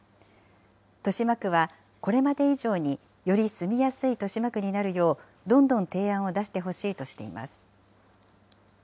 豊島区は、これまで以上により住みやすい豊島区になるよう、どんどん提案を出してほしいとしてい